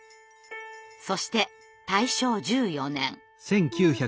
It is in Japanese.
そして大正１４年。